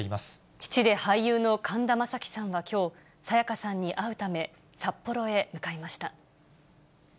父で俳優の神田正輝さんはきょう、沙也加さんに会うため、札幌へ向かいました。